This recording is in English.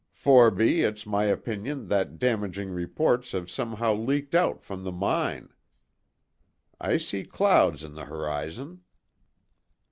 Forby, it's my opinion that damaging reports have somehow leaked out from the mine. I see clouds on the horizon."